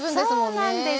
そうなんですよ。